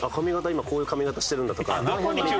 今こういう髪形してるんだとか。